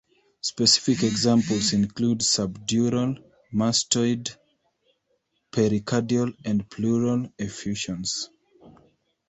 Specific examples include subdural, mastoid, pericardial and pleural effusions.